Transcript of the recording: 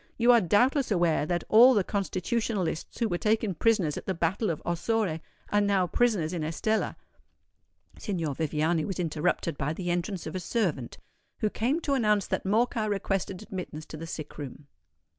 You are doubtless aware that all the Constitutionalists who were taken prisoners at the battle of Ossore, are now prisoners in Estella——" Signor Viviani was interrupted by the entrance of a servant, who came to announce that Morcar requested admittance to the sick room.